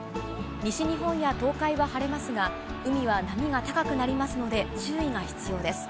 西日本や東海は晴れますが、海は波が高くなりますので、注意が必要です。